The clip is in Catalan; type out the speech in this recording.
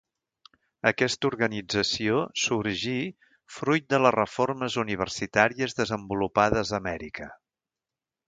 Aquesta organització sorgí fruit de les reformes universitàries desenvolupades a Amèrica.